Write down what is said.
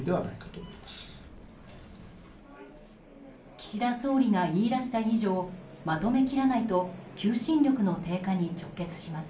岸田総理が言い出した以上まとめ切らないと求心力の低下に直結します。